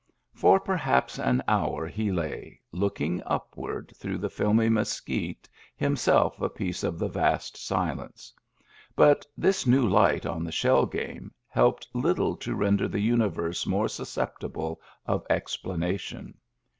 For perhaps an hour he lay, looking upward through the filmy mesquite, himself a piece of the vast silence. But this new light on the shell game helped little to render the Universe more susceptible of explanation.